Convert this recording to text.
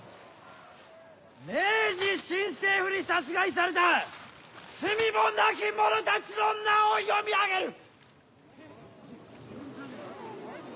明治新政府に殺害された罪もなき者たちの名を読み上げる！